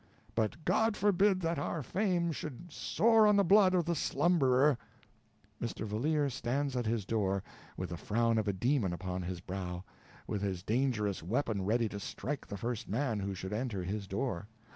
But God forbid that our fame should soar on the blood of the slumberer." Mr. Valeer stands at his door with the frown of a demon upon his brow, with his dangerous weapon ready to strike the first man who should enter his door.